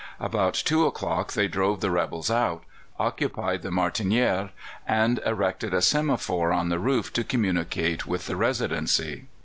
About two o'clock they drove the rebels out, occupied the Martinière and erected a semaphore on the roof to communicate with the Residency.